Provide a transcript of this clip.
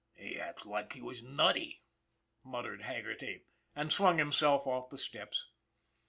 " He acts like he was nutty," muttered Haggerty, and swung himself off the steps.